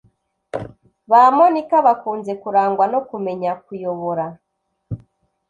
Ba Monica bakunze kurangwa no kumenya kuyobora